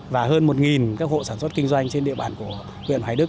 và hơn một các hộ sản xuất kinh doanh trên địa bàn của huyện hoài đức